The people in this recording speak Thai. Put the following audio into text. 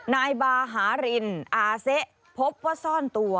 นายบาหารินอาเซะพบว่าซ่อนตัว